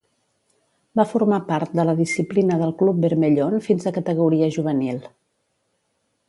Va formar part de la disciplina del Club Bermellón fins a categoria juvenil.